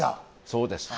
そうです。